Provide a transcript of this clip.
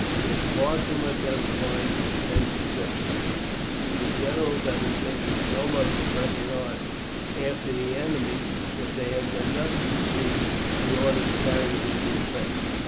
He has far too much on his mind to attend to such things, and the generals have been thinking so much of pressing on after the enemy that they have done nothing to see the orders carried into effect.